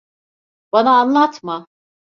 Bana anlatma.